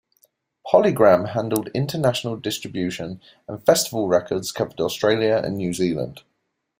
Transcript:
PolyGram handled international distribution and Festival Records covered Australia and New Zealand.